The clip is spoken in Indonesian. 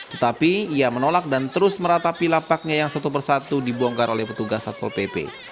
tetapi ia menolak dan terus meratapi lapaknya yang satu persatu dibongkar oleh petugas satpol pp